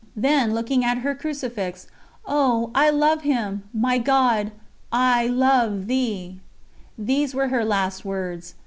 Then, looking at her crucifix: "Oh! ... I love Him! ... My God, I ... love ... Thee!" These were her last words.